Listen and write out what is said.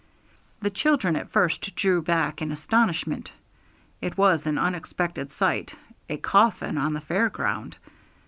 The children at first drew back in astonishment; it was an unexpected sight, a coffin on the fair ground.